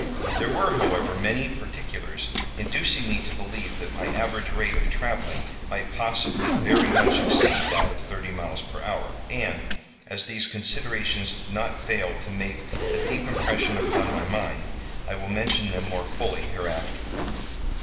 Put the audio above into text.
There were, however, many particulars inducing me to believe that my average rate of travelling might possibly very much exceed that of thirty miles per hour, and, as these considerations did not fail to make a deep impression upon my mind, I will mention them more fully hereafter.